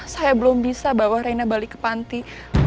saya belum bisa bawa rena balik ke panti